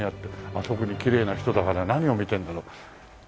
あそこにきれいな人何を見てるんだろう？